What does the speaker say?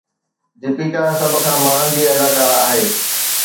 ديپيڪا سڀ کان مهانگي اداڪارا آهي